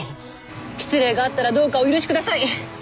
失礼があったらどうかお許しください！